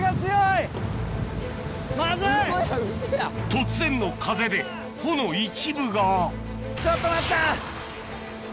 突然の風で帆の一部がちょっと待った！